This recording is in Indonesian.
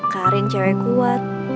karin cewek kuat